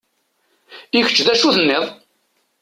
I kečč d acu tenniḍ?